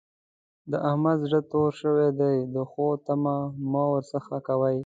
د احمد زړه تور شوی دی؛ د ښو تمه مه ور څځه کوئ.